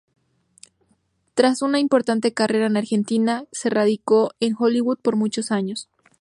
Tras una importante carrera en Argentina se radicó en Hollywood por muchos años.